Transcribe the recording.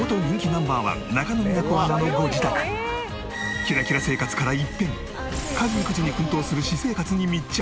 キラキラ生活から一変家事・育児に奮闘する私生活に密着。